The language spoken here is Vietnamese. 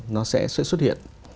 nó sẽ xuất hiện